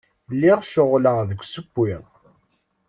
Lliɣ ceɣleɣ deg usewwi.